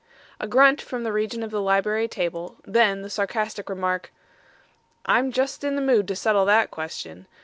A grunt from the region of the library table, then the sarcastic remark: "I'm just in the mood to settle that question.